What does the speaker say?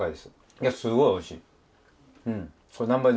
いやすごいおいしい！